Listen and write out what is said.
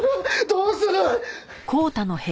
どうする！？